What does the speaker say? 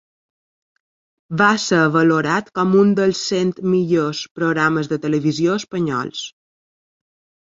Va ser valorat com un dels cent millors programes de televisió espanyols.